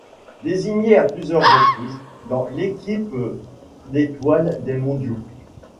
Désigné à plusieurs reprises dans l'équipe d'étoiles des mondiaux.